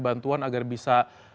bantuan agar bisa